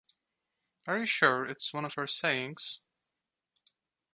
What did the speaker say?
Are you sure it's one of her sayings?